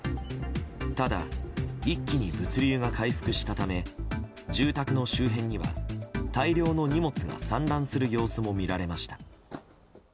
ただ、一気に物流が回復したため住宅の周辺には大量の荷物が散乱する様子もみられました。